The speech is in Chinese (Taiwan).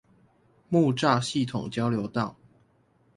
木柵系統交流道